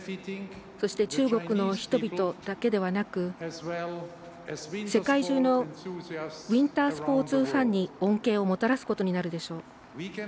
そして中国の人々だけではなく世界中のウインタースポーツファンに恩恵をもたらすことになるでしょう。